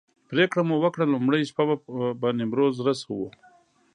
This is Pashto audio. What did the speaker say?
پرېکړه مو وکړه لومړۍ شپه به نیمروز رسوو.